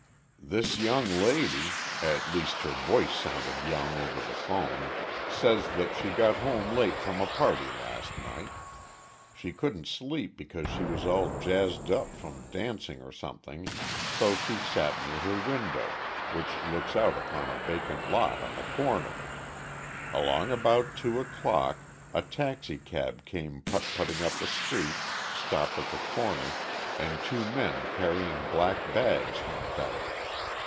"This young lady at least her voice sounded young over the phone says that she got home late from a party last night. She couldn't sleep because she was all jazzed up from dancing or something, so she sat near her window, which looks out upon a vacant lot on the corner. Along about two o'clock a taxicab came putt putting up the street, stopped at the corner, and two men carrying black bags hopped out.